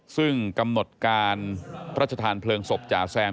ซึ่งกำหนดการพระชธานเพลิงศพจ๋าแซม